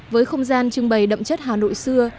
với không gian trưng bày đậm chất hà nội xưa